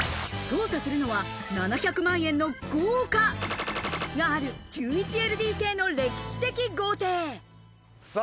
捜査するのは７００万円の豪華がある１１ＬＤＫの歴史的豪邸。